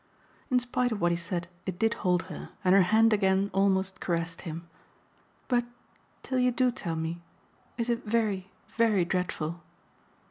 In spite of what he said it did hold her, and her hand again almost caressed him. "But till you do tell me is it very very dreadful?"